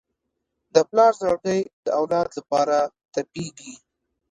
د پلار زړګی د اولاد لپاره تپېږي.